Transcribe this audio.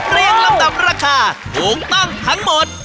ลำดับราคาถูกต้องทั้งหมด